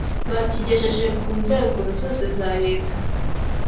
bakigejeje ku nzego zose za Leta